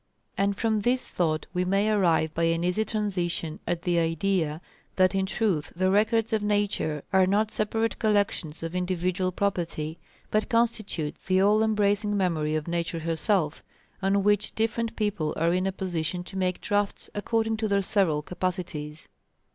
And from this thought we may arrive by an easy transition at the idea, that in truth the records of Nature are not separate collections of individual property, but constitute the all embracing memory of Nature herself, on which different people are in a position to make drafts according to their several capacities.